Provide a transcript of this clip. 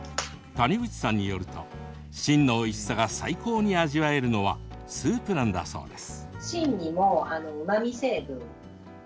谷口さんによると芯のおいしさが最高に味わえるのはスープなんだそうです。